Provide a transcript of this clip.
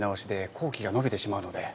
工期が延びてしまうので。